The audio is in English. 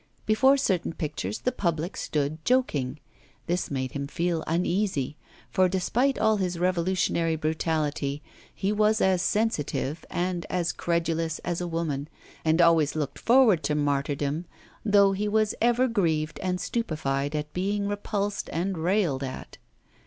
Before certain pictures the public stood joking. This made him feel uneasy, for despite all his revolutionary brutality he was as sensitive and as credulous as a woman, and always looked forward to martyrdom, though he was ever grieved and stupefied at being repulsed and railed at.